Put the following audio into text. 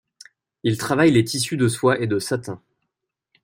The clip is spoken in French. Ils travaillaient les tissus de soie et de satin.